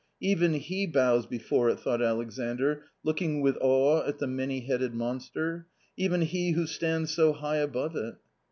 " Even he bows before it," thought Alexandr, looking with awe at the many headed monster, " even he who stands so high above it